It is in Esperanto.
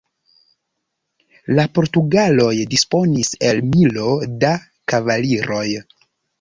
La portugaloj disponis el milo da kavaliroj.